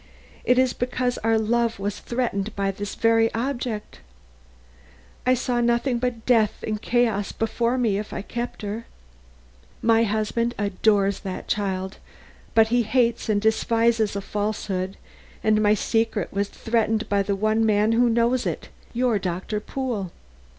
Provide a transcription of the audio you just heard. It is because our love was threatened by this very object. I saw nothing but death and chaos before me if I kept her. My husband adores the child, but he hates and despises a falsehood and my secret was threatened by the one man who knows it your Doctor Pool.